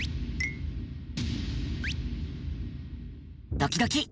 ドキドキ。